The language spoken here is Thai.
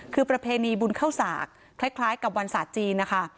คือประเพณีบุญเข้าสากคล้ายกับวันศาสตร์จีนนะคะ